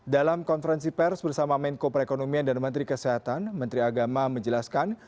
dalam konferensi pers bersama menko perekonomian dan menteri kesehatan menteri agama menjelaskan